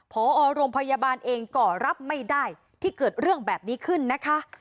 พอโรงพยาบาลเองก็รับไม่ได้ที่เกิดเรื่องแบบนี้ขึ้นนะคะ